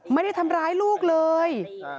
ไม่ได้ทำร้ายลูกเลย